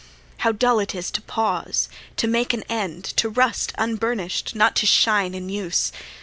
How dull it is to pause, to make an end, To rust unburnish'd, not to shine in use!